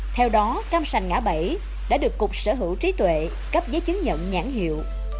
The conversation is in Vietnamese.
theo đó cam sành ngã bảy đã được cục sở hữu trí tuệ cấp giấy chứng nhận nhãn hiệu